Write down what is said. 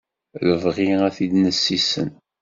Lebɣi ad t-id-nessisen.